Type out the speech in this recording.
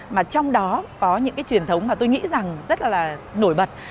mà trong đó có những cái truyền thống mà tôi nghĩ rằng rất là nổi bật